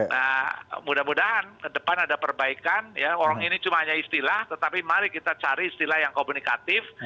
nah mudah mudahan ke depan ada perbaikan ya orang ini cuma hanya istilah tetapi mari kita cari istilah yang komunikatif